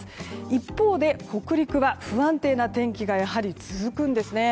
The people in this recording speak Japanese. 一方で、北陸は不安定な天気がやはり、続くんですね。